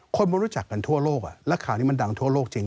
คนมันรู้จักกันทั่วโลกแล้วข่าวนี้มันดังทั่วโลกจริง